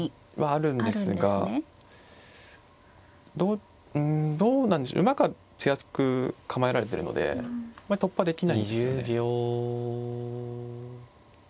あるんですがうんどうなんでしょう馬が手厚く構えられてるので突破できないんですよね。